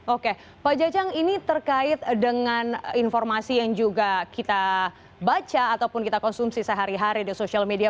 oke pak jajang ini terkait dengan informasi yang juga kita baca ataupun kita konsumsi sehari hari di sosial media